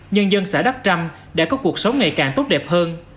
nhân dân xã đắc trăm đã có cuộc sống ngày càng tốt đẹp hơn